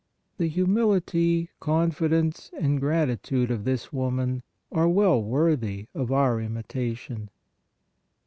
The humility, confidence and gratitude of this woman are well worthy of our imitation.